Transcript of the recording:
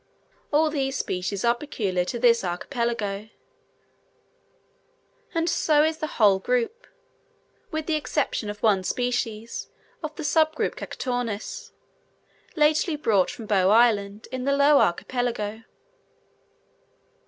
All these species are peculiar to this archipelago; and so is the whole group, with the exception of one species of the sub group Cactornis, lately brought from Bow Island, in the Low Archipelago.